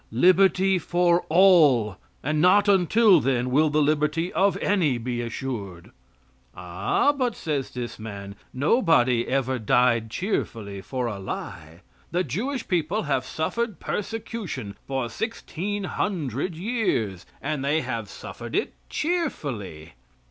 Liberty for all, and not until then will the liberty of any be assured. "Ah"; but says this man, "nobody ever died cheerfully for a lie. The Jewish people have suffered persecution for 1,600 years, and they have suffered it cheerfully."